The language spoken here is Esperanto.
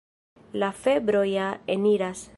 La febro ja eniras.